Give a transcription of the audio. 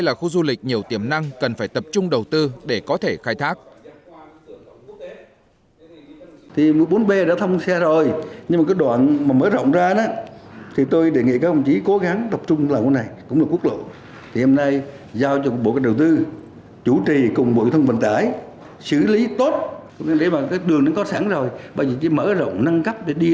là khu du lịch nhiều tiềm năng cần phải tập trung đầu tư để có thể khai thác